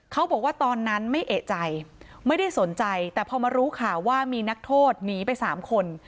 เขาบอกว่าตอนนั้นไม่เอกใจไม่ได้สนใจแต่พอมารู้ข่าวว่ามีนักโทษหนีไปสามคน